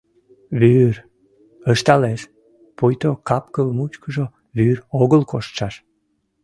— Вӱр... — ышталеш, пуйто кап-кыл мучкыжо вӱр огыл коштшаш.